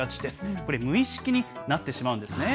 これ、無意識になってしまうんですね。